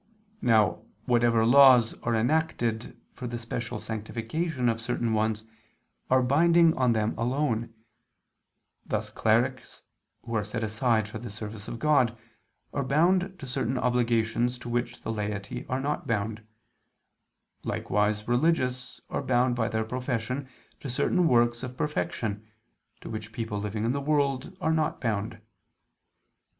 Now whatever laws are enacted for the special sanctification of certain ones, are binding on them alone: thus clerics who are set aside for the service of God are bound to certain obligations to which the laity are not bound; likewise religious are bound by their profession to certain works of perfection, to which people living in the world are not bound.